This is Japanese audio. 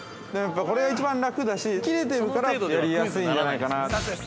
これが一番楽だし、切れてるからやりやすいんじゃないかなと。